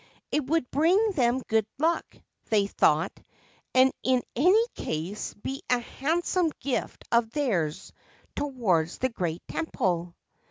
It would bring them good luck, they thought, and in any case be a handsome gift of theirs towards the great temple.